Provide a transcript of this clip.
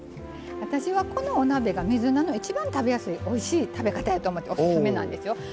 私は、このお鍋が水菜の一番食べやすいおいしい食べ方だと思ってオススメなんですよ。